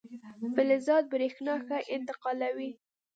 فلزات برېښنا ښه انتقالوي.